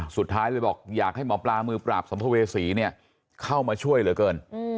สุดท้ายเลยบอกอยากให้หมอปลามือปราบสัมภเวษีเนี่ยเข้ามาช่วยเหลือเกิน